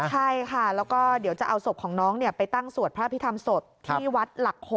ใช่ค่ะแล้วก็เดี๋ยวจะเอาศพของน้องไปตั้งสวดพระพิธรรมศพที่วัดหลัก๖